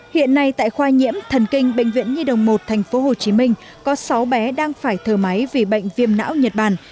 hiện nay tại khoa nhiễm thần kinh bệnh viện nhi đồng một tp hcm có sáu bé đang phải thở máy vì bệnh viêm não nhật bản